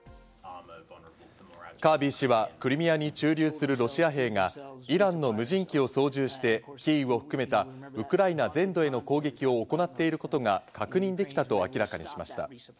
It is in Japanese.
カービー氏はクリミアに駐留するロシア兵がイランの無人機を操縦してキーウを含めたウクライナ全土への攻撃を行っていることが確認できたと明らかにしました。